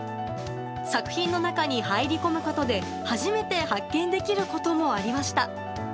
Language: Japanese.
作品の中に入り込むことで初めて発見できることもありました。